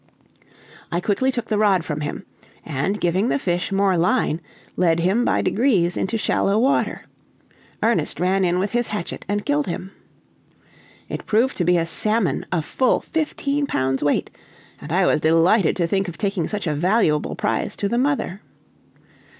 I quickly took the rod from him, and giving the fish more line, led him by degrees into shallow water. Ernest ran in with his hatchet and killed him. It proved to be a salmon of full fifteen pounds weight, and I was delighted to think of taking such a valuable prize to the mother.